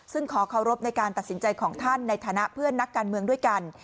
ซึ่งขอเคารพในการตัดสินใจของท่านในฐานะเพื่อนนักการเมืองด้วยกัน